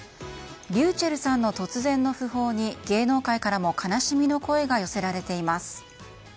ｒｙｕｃｈｅｌｌさんの突然の訃報に芸能界からも悲しみの声が寄せられています。